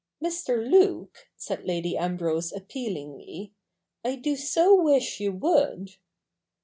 ]\Ir. Luke,' said Lady Ambrose appealingly, ' I do so wish you would.'